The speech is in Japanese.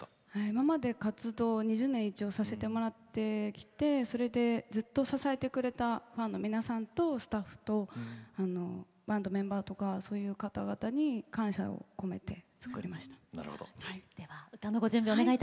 今まで活動２０年させてもらってきてずっと支えてくれたファンの皆さんとスタッフとバンドメンバーとかそういう方々に感謝を込めて作りました。